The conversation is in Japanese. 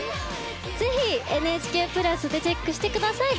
ぜひ「ＮＨＫプラス」でチェックしてください。